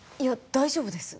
大丈夫です